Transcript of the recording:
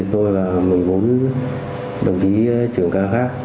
tôi và một bốn đồng chí trưởng cao khác